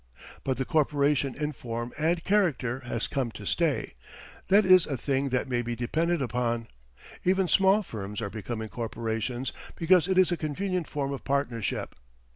But the corporation in form and character has come to stay that is a thing that may be depended upon. Even small firms are becoming corporations, because it is a convenient form of partnership.